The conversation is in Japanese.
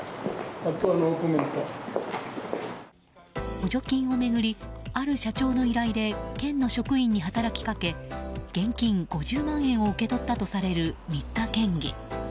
補助金を巡りある社長の依頼で県の職員に働きかけ現金５０万円を受け取ったとされる仁田県議。